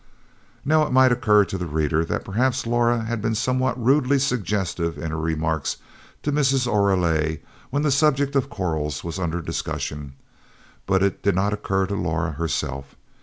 Now it might occur to the reader that perhaps Laura had been somewhat rudely suggestive in her remarks to Mrs. Oreille when the subject of corals was under discussion, but it did not occur to Laura herself.